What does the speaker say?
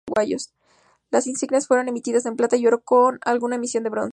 Las insignias fueron emitidas en Plata y Oro con alguna emisión en Bronce.